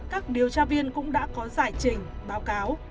các điều tra viên cũng đã có giải trình báo cáo